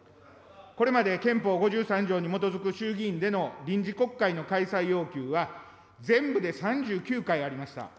これまで憲法５３条に基づく衆議院での臨時国会の開催要求は、全部で３９回ありました。